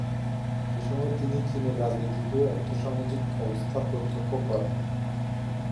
এসময় তিনি চীনের রাজনৈতিক ও আর্থসামাজিক অবস্থা প্রত্যক্ষ করেন।